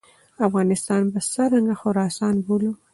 افغانستان به څرنګه خراسان بولو.